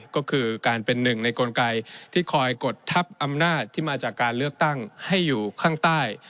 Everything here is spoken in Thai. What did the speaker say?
ก็คือการเป็นหนึ่งในกลไกที่คอยกดทับอำนาจที่มาจากการเลือกตั้งให้อยู่ข้างใต้